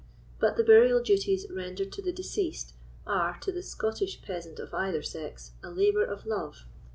But the burial duties rendered to the deceased are, to the Scottish peasant of either sex, a labour of love.